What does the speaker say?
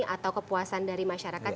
atau kepuasan dari masyarakat